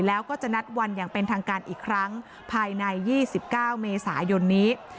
แล้วก็จะนัดวันอย่างเป็นทางการอีกครั้งภายใน๒๙เมษายนนี้